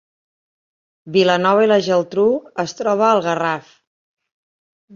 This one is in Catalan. Vilanova i la Geltrú es troba al Garraf